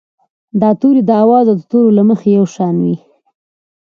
دا توري د آواز او تورو له مخې یو شان وي.